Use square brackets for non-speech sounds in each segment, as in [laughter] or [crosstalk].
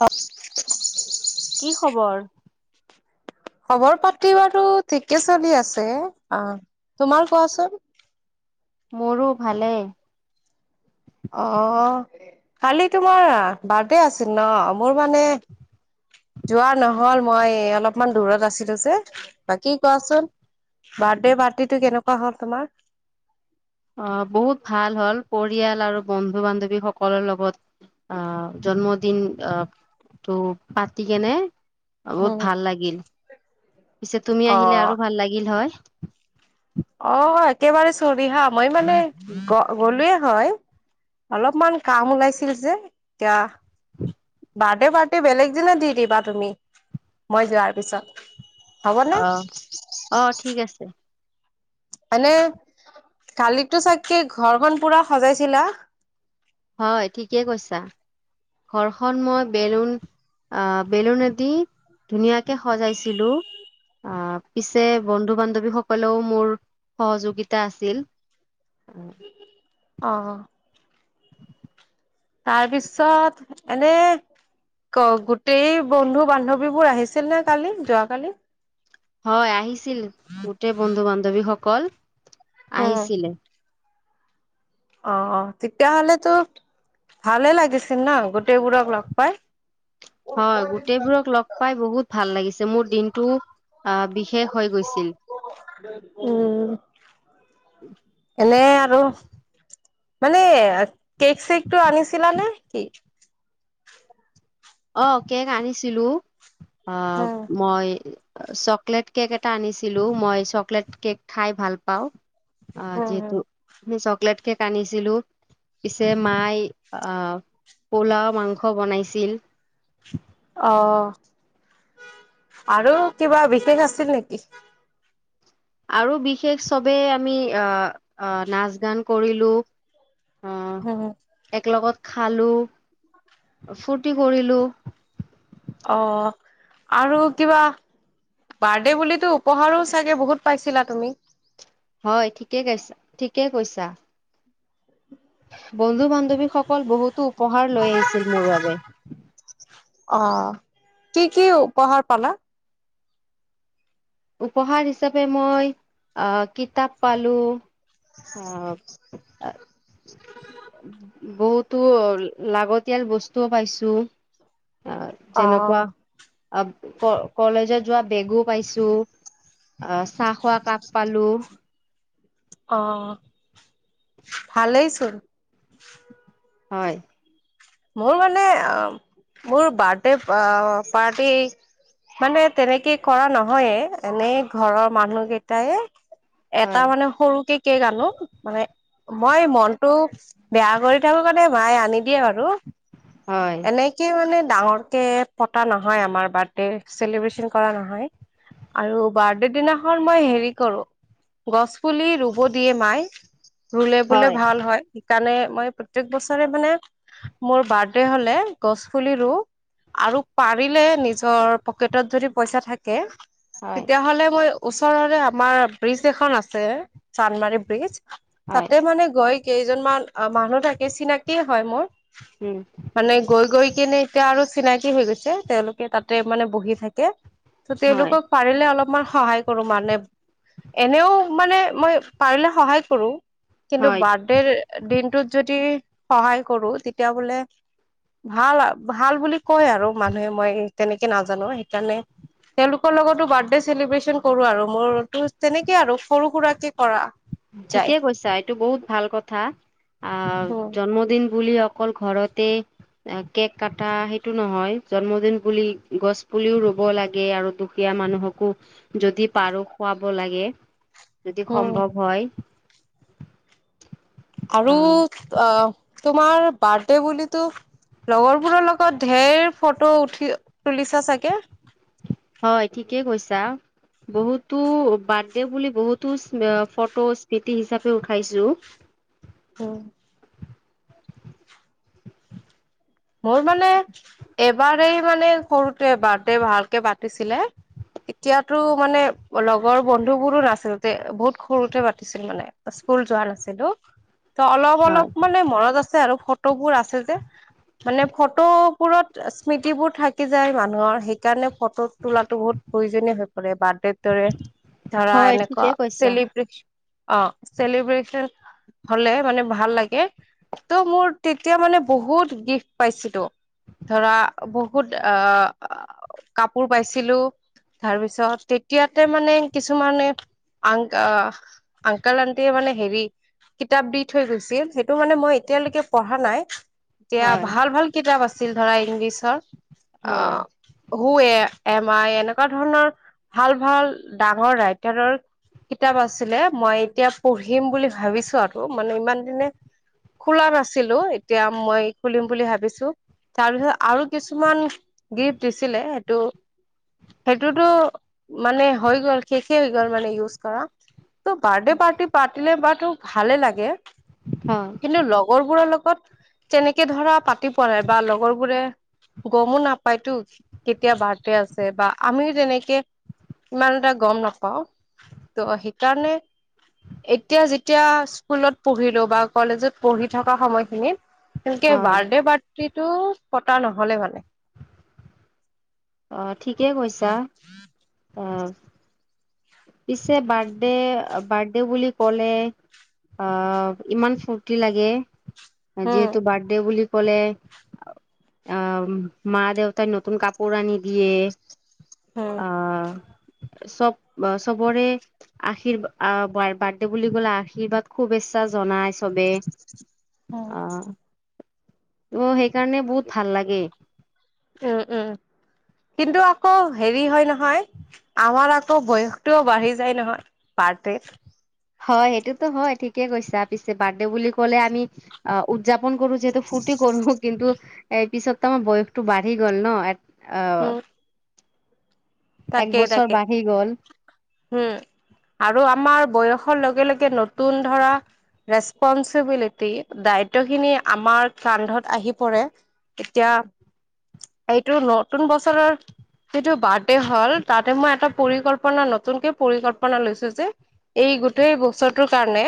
অ কি খবৰ খবৰ পাতি বাৰু ঠিকে চলি আছে অ' তোমাৰ কোৱাচোন? মোৰো ভালে। অ কালি তোমাৰ বাৰ্থডে আছিল ন মোৰ মানে যোৱা নহল মই অলপমান দূৰত আছিলো যে বাকী কোৱাচোন বাৰ্থডে পাৰ্টিটো কেনেকুৱা হল তোমাৰ। আহ বহুত ভাল হল পৰিয়াল আৰু বন্ধু বান্ধৱী সকলৰ লগত আহ জন্মদিন আহ তো পাতি কেনে বহুত উম ভাল লাগিল। পিছে তুমি অ আহিলে আৰু ভাল লাগিল হয়। অ' একেবাৰে চল ৰিহা মই মানে গলোয়ে হয়, অলপমান কাম ওলাইছিল যে এতিয়া বাৰ্থডে পাৰ্টি বেলেগ দিনে দি দিবা তুমি মই যোৱাৰ পিছত। হ'বনে অ' অ' ঠি'ক আছে। মানে, কালিততো চাগকে ঘৰ ম পুৰা সজাইছিলা হয় ঠিকেই কৈছা ঘৰখন মই বেলুন আহ বেলুনদি ধুনীয়াকে সজাইছিলো। আহ পিছে বন্ধু বান্ধৱীসকলেও মোৰ সহযোগিতা আছিল। অ' [unintelligible] তাৰপিছত, এনে গোটেই বন্ধু বান্ধৱীবোৰ আহিছিল নে কালি যোৱাকালি। হয় আহিছিল গোটেই বন্ধু বান্ধৱীসকল উম আহিছিলে। অ' অ 'তেতিয়াহ'লে তো ভালে লাগিছিল ন গোটেইবোৰক লগ পাই। হয় গোটেইবোৰক লগ পাই বহুত ভাল লাগিছে। মোৰ দিনটো আহ বিশেষ হৈ গৈছিল। উম, এনে আৰু মানে কেক চেক টো আনিছিলা নে্ কি অ' কেক আনিছিলো। অ' উম মই চকলেট কেক এটা আনিছিলো। মই চকলেট কেক খাই ভাল পাওঁ। অ', উম উম যেহেতু হেই চক লেট কেক কান্দিছিলো। পিছে মাই আ পোলাও-মাংস বনাইছিল। অ', আৰু কিবা বিশেষ আছিল নেকি? আৰু বিশেষ চবেই আমি আ-আ নাচ গান কৰিলো। অ', উম এক লগত খালো, ফূৰ্তি কৰিলো। অ', আৰু কিবা বাৰ্থডে বুলিতো উপহাৰো চাগে বহুত পাইছিলা তুমি? হয়, ঠিকে কাইছা-ঠিকে কৈছা। বন্ধু-বান্ধৱীসকল বহুতো উপহাৰ লৈ আহিছিল মোৰ বাবে। অ', কি কি উপহাৰ পালা? উপহাৰ হিচাপে মই আ কিতাপ পালো, আহ বহুতো লাগতিয়াল বস্তুও পাইছো। আ অ যেনেকুৱা আব ক-কলেজত যোৱা বেগো পাইছো। আ চাহ খোৱা কাপ পালো। অ', ভালেই চোন। হয়। মোৰ মানে আ মোৰ বাৰ্থডে আ পাৰ্টি মানে তেনেকে কৰা নহয়ে, এনেই ঘৰৰ মানুহ কেইটায়ে হয় এটা মানে সৰুকে কেক আনো। মানে মই মনতটো বেয়া কৰি থাকো কাৰণে মায়ে আনি দিয়ে আৰু হয় এনেকে মানে ডাঙৰকে পতা নহয়, আমাৰ বাৰ্থডে চেলিব্ৰেচন কৰা নহয়। আৰু বাৰ্থডে দিনাখন মই হেৰি কৰো, গছ পুলি ৰুব দিয়ে মাই। ৰুলে বোলে হয় ভাল হয়। কাৰণে মই প্ৰত্যেক বছৰে মানে মোৰ বাৰ্থডে হ'লে গছ পুলি ৰু। আৰু পাৰিলে নিজৰ পকেটত যদি পইচা থাকে হয় তেতিয়া হ'লে মই ওচৰৰে আমাৰ ব্ৰিজ এখন আছে, চান্মাৰী ব্ৰিজ হয় তাতে মানে গৈ কেইজনমান মানুহ থাকে, চিনাকিয় হয় মোৰ উম মানে গৈ গৈ কিনে এতিয়া আৰু চিনাকি হৈ গৈছে, তেওঁলোকে তাতে মানে বহি থাকে। ত হয় তেওঁলোকক পাৰিলে অলপ মান সহায় কৰো মানে। এনেও মানে মই পাৰিলে সহায় কৰো। কিন্তু হয় বাৰ্থডেৰ দিনটোত যদি সহায় কৰো তেত তেতিয়া বোলে ভাল-ভাল বুলি কয় আৰু মানুহে, মই তেনেকে নাজানো। সেইকাৰণে তেওঁলোকৰ লগতো বাৰ্থডে চেলিব্ৰেচন কৰো। আৰু মোৰতো তেনেকে আৰু সৰু-সুৰাকে কৰা যায় ঠিকে কৈছা, এইটো বহুত ভাল কথা। আ উম জন্মদিন বুলি অক অকল ঘৰতে কেক কটা সেইটো নহয়, জন্মদিন বুলি গছ পুলিও ৰুব লাগে, আৰু দুখীয়া মানুহকো যদি পাৰো খুৱাব লাগে। যদি উম সম্ভৱ হয় আৰু অ অ তোমাৰ বাৰ্থ ডে বুলিটো লগৰবোৰৰ লগত ধেৰ ফটো উঠি তুলিছা চাগে, হয়। ঠিকেই কৈছা বহুতো বাৰ্থডে বুলি বহুতো ফটো স্মৃতি হিচাপে উঠাইছো। উ মোৰ মানে এবাৰেই মানে সৰুতে বাৰ্থডে ভালকে পাতিছিলে। এতিয়াতো মানে লগৰ বন্ধুবোৰো নাছিল বহুত সৰুতে পাতিছিল মানে স্কুল যোৱা নাছিলো। ত অলপ হয় অলপ মানে মনত আছে আৰু, ফটোবোৰ আছে যে। মানে ফটোবোৰত স্মৃতিবোৰ থাকি যায় মানুহৰ সেইকাৰণে ফটো তোলাটো বহুত প্ৰয়োজনীয় হৈ পৰে বাৰ্থডেৰ দৰে ধৰা হয় এনেকুৱা ঠিকে কৈছা চেলিব্ৰেচন অ চেলিব্ৰেচন হলে মানে ভাল লাগে ত' মোৰ তেতিয়া মানে বহুত গিফট পাইছিলো, ধৰা বহুত আহ কাপোৰ পাইছিলো, তাৰপিছত তেতিয়াতে মানে কিছুমানে আং আহ আংকেল আন্টিয়ে মানে হেৰি কিতাপ দি থৈ গৈছিল সেইটো মানে মই এতিয়ালৈকে পঢ়া নাই। এতিয়া হয়'। ভাল ভাল কিতাপ আছিল ধৰা ইংলিছৰ হয়। আহ হু এ এমই এনেকুৱা ধৰণৰ ভাল ভাল ডাঙৰ ৰাইটাৰৰ কিতাপ আছিলে মই এতিয়া পঢ়িম বুলি ভাবিছো আৰু মানে ইমান দিনে খোলা নাছিলো এতিয়া মই খুলিম বুলি ভাবিছো তাৰপিছত আৰু কিছুমান গিফ্ট দিছিলে সেইটো সেইটোতো মানে হৈ গল শেষে হৈ গল মানে ইউজ কৰা। বাৰ্থডে পাৰ্টি পাতিলে বাট টো ভালে লাগে। হয় কিন্তু লগৰবোৰৰ লগত কত তেনে একে ধৰা পাতি পোৱা নাই বা লগৰবোৰে গমো নাপায়তো কেতিয়া বাৰ্থডে আছে বা আমিও তেনেকে ইমান এটা গম নাপাও ত' সেইকাৰণে এতিয়া যেতিয়া স্কুলত পঢ়িলো বা কলেজত পঢ়ি থকা সময়খিনিত তেনকে হয়। বাৰ্থডে পাৰ টো পতা নহলে মানে। আহ, ঠিকে কৈছা। আহ। পিছে বাৰ্থডে বাৰ্থডে বুলি ক'লে আহ ইমান ফূৰ্তি লাগে। উম যিহেতু বাৰ্থডে বুলি কলে আহ মা দেউতাই নতুন কাপোৰ আনি দিয়ে। উম আহ। চব চবৰে আশীৰ্বাদ আহ বাৰ্থডে বুলি কলে আশীৰ্বাদ শুভেচ্ছা জনাই চবে। হ'। আহ ত' সেইকাৰণে বহুত ভাল লাগে। উম উম কিন্তু আকৌ হেৰি হয় নহয়, আমাৰ আকৌ বয়সটোও বাঢ়ি যায় নহয়। বাৰ্থডেত। হয় সেইটোতো হয় ঠিকেই কৈছা পিছে বাৰ্থডে বুলি কলে আমি অ' উদযাপন কৰো যিহেতু ফূৰ্তি কৰো কিন্তু এ পিছত তো আমাৰ বয়সটো বাঢ়ি গল ন? অ'। তাকেই তাকে উম, আৰু আমাৰ বয়স লগে-লগে নতুন ধৰা ৰেচপনচিবিলিটি দায়িত্ব খিনি আমাৰ কান্ধত আহি পৰে এতিয়া এইটো নতুন বছৰৰ যিটো বাৰ্থ হ'ল তাতে মই এটা পৰিকল্পনা নতুনকে পৰিকল্পনা লৈছো যে এই গোটেই বছৰটোৰ কাৰণে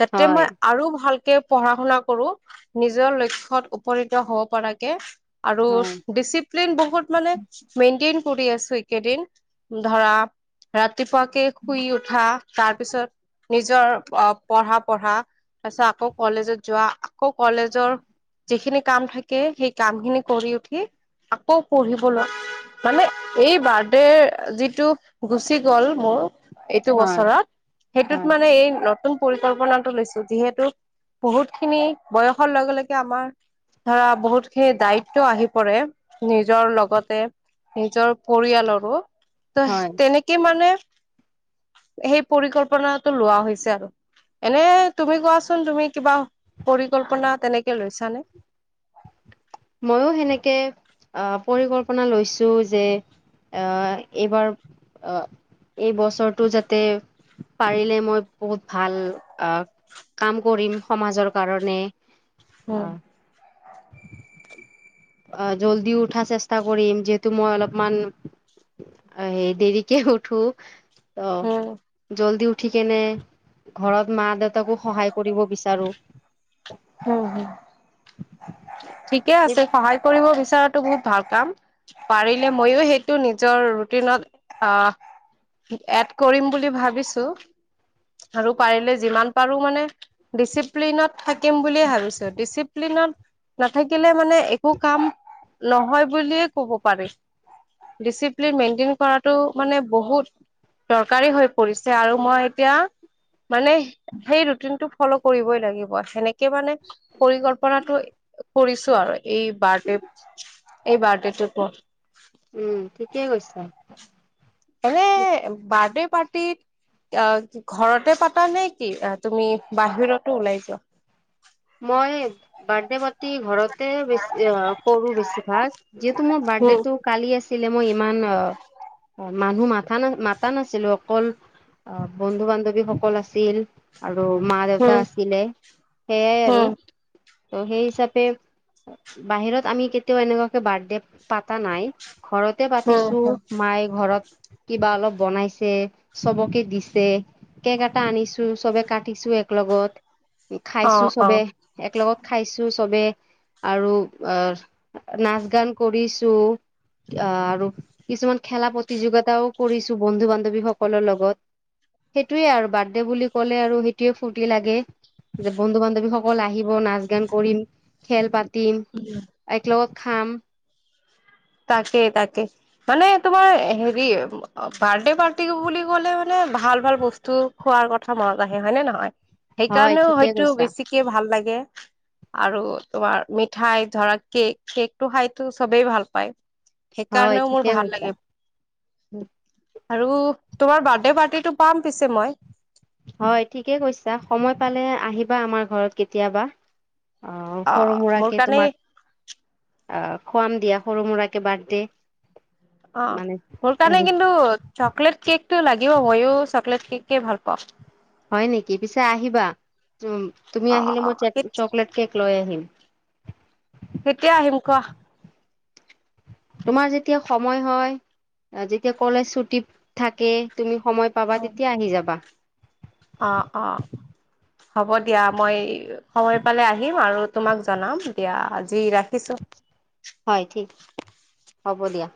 যাতে হয় মই আৰু ভাল পঢ়া শুনা কৰো নিজৰ লক্ষ্যত উপনীত হব পৰাকে, আৰু হয় ডিচিপ্লিন বহুত মানে মেইনটেইন কৰি আছো। কেইদিন ধৰা ৰা তি পোৱা কে শুই উঠা তাৰ পিছত নিজৰ পঢ়া-পঢ়া তাৰ পিছত আকৌ কলেজত যোৱা আকৌ কলেজৰ যিখিনি কাম থাকে সেই কাম খিনি কৰি উঠি আকৌ পঢ়িবলৈ মানে এই, বাৰ্থডেৰ যিটো গুচি গ'ল মোৰ, এইটো হয় বছৰত সেইটোত হয় মানে এই ন নতুন পৰিকল্পনাটো লৈছো যিহেতু বহুত খিনি বয়সৰ লগে লগে আমাৰ ধৰা বহুত খিনি দায়িত্ব আহি পৰে নিজৰ লগতে নিজৰ, পৰিয়ালৰো। ত হয় তেনেকে মানে সেই পৰিকল্পনাটো লোৱা হৈছে আৰু এনে তুমি কোৱাচোন তুমি কিবা পৰিকল্পনা তেনেকে লৈছানে। ময়ো সেনেকে আহ পৰিকল্পনা লৈছো যে অহ এইবাৰ অহ এই বছৰটো যাতে পাৰিলে মই বহুত ভাল আহ কাম কৰিম সমাজৰ কাৰণে। অ উম আহ জল্দি উঠা চেষ্টা কৰিম যিহেতু মই অলপমান দেৰিকে উঠো। অ উম জল্দি উঠ ঠিকেনে ঘৰত মা দেউতাকো সহায় কৰিব বিচাৰো। উম হম, ঠিকে আছে সহায় কৰিব বি ছৰাটো বহুত ভাল কাম পাৰিলে মইো সেইটো নিজৰ ৰুটিনত এড কৰিম বুলি ভাবিছো আৰু পাৰিলে যিমান পাৰো মানে ডিচিপ্লিনত, থাকিম বুলিয়ে ভাবিছো ডিচিপ্লিনত। নাথাকিলে, মানে একো কাম নহয় বুলিয়ে ক'ব পাৰি ডিচিপ্লিন মেইনটেইন কৰাতটো মানে বহুত দৰকাৰী হৈ পৰিছে আৰু মই এতিয়া, মানে সেই ৰুটিনটো। ফল' কৰিবই লাগিব সেনেকে মানে পৰিকল্পনাটো কৰিছো আৰু এই বাইথডেত। এই বাৰডেটোত অ', উম [unintelligible] এনে বাৰ্থ পাৰটিত ঘৰতে পাতা নে কি তুমি বাহিৰতো ওলাই যোৱা? মই বাৰ্থডে পাৰ্তি ঘৰতে বেছ-কৰো বেছিভাগ, যিহেতু মোৰ উম, বাৰ্থডেটো কালি আছিলে। মই ইমান আ মানুহ মথা-না মাতা নাছিলো, অকল অ', বন্ধু-বান্ধৱীসকল আহিছিল আৰু আৰু মা-দেউতা উম, আছিলে সেইয়াই আৰু উম, ত' সেই হিচাপে বাহিৰত আমি কেতিয়াও এনেকুৱাকে বাৰ্থডে পাতা নাই। ঘৰতে উম, পাতিছো। উম, মায়ে ঘৰত কিবা অলপ বনাইছে চবকে দিছে। কেক এটা আনিছো চবে কাটিছো এক লগত। খাইছো অ', অ'। চবে একলগত। খাইছো চবে আৰু আ নাচ-গান কৰিছো। আ আৰু কিছুমান খেলা প্ৰতিযোগিতাও কৰিছো বন্ধু-বান্ধৱী সকলৰ লগত। সেইটোয়ে আৰু বাৰ্থডে বুলি ক'লে আৰু সেইটোয়ে ফূুৰ্তি লাগে। যে বন্ধু-বান্ধৱীসকল আহিব, নাচ-গান কৰিম, খেল পাত তিম একলগত খাম তাকেই তাকে। মানে তোমাৰ হেৰি বাৰ্থডে পাৰ্টি বুলি ক'লে মানে ভাল-ভাল বস্তু খোৱাৰ কথা মনত আহে হয়নে নহয়? সেই হয় কাৰণেও ঠিকে হয়তো কৈছা বেছিকে ভাল লাগ আৰু তোমাৰ মিঠাই ধৰা কেক, কেকটো খাইতো চবেই ভাল পায়। হয় সেইকাৰণেও মোৰ ঠিকে ভাল কৈছা লাগে। আৰু, তোমাৰ বাৰ্থডে পাৰ্টিটো পাম পিছে মই। হয় ঠিকে কৈছা, সময় পালে আহিবা আমাৰ ঘৰত কেতিয়াবা। অ সৰু অ' মোৰ কাৰণে অ' খুৱাম দিয়া সৰু সুৰাকে বাৰ্থডে। অ' মানে মোৰ কাৰনে হেৰি কিন্তু চকলেট কেক টো লাগিব কিন্তু, মইও চকলেট কেক ভাল পাওঁ। হয় নেকি, পিছে আহিবা। তুমি অ আহিলে অ মই চকলেট কেক লৈ আহিম। কেতিয়া আহিম কোৱা। তোমাৰ যেতিয়া সময় হয়, যেতিয়া কলেজ ছুটি থাকে তুমি সময় পাবা, তেতিয়া আহি যাবা। অ' অ' হ'ব দিয়া, মই সময় পালে আহিম আৰু তোমাক জনাম দিয়া। আজি ৰাখিছো। হয় ঠিক, হ'ব দিয়া।